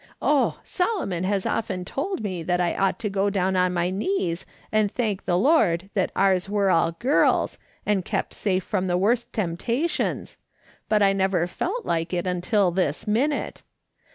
Oh ! Solomon has often told me that I ought to go down on my knees and thank the Lord that ours were all girls, and kept safe from the worst tempta tions, but I never felt like it until this minute.